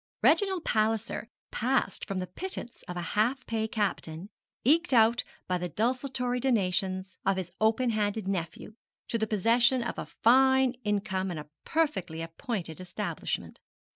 Reginald Palliser passed from the pittance of a half pay captain, eked out by the desultory donations of his open handed nephew, to the possession of a fine income and a perfectly appointed establishment.